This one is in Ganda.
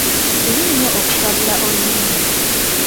Kibi nnyo okutabula olulimi.